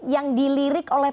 yang dilirik oleh